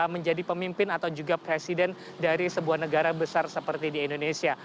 menjadi pemimpin atau juga presiden dari sebuah negara besar seperti di indonesia